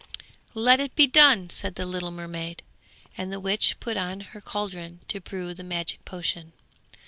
'Let it be done,' said the little mermaid, and the witch put on her caldron to brew the magic potion.